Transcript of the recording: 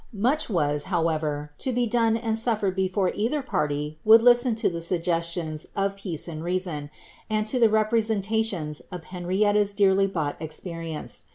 Much was, however, to be done and suffered before ther party would listen to the suggestions of peace and reason, and to e representations of Henrietta's dearly bought experience.